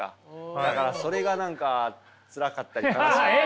だからそれが何かつらかったり悲しかったりとかして。